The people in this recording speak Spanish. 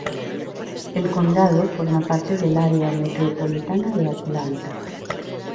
El condado forma parte del área metropolitana de Atlanta.